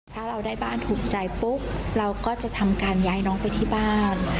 ถ้าเราได้บ้านถูกใจปุ๊บเราก็จะทำการย้ายน้องไปที่บ้าน